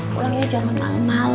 pulangnya jangan malem malem